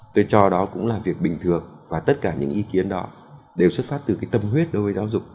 tôi cho đó cũng là việc bình thường và tất cả những ý kiến đó đều xuất phát từ cái tâm huyết đối với giáo dục